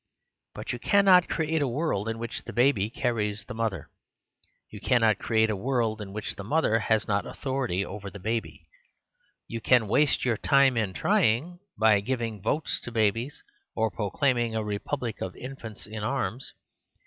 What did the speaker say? But you cannot create a world in which the baby carries the mother. You cannot create a world in which the mother has not authority over the baby. You can waste your time in trying; by giving votes to babies or proclaiming a republic of infants in arms.